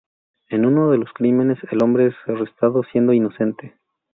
En uno de los crímenes el hombre es arrestado siendo inocente.